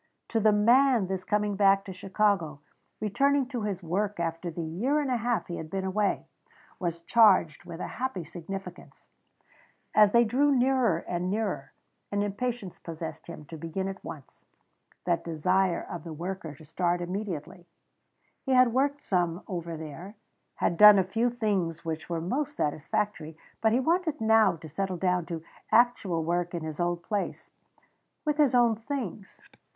To the man this coming back to Chicago, returning to his work after the year and a half he had been away, was charged with a happy significance. As they drew nearer and nearer, an impatience possessed him to begin at once; that desire of the worker to start in immediately. He had worked some over there, had done a few things which were most satisfactory, but he wanted now to settle down to actual work in his old place, 'with his own things.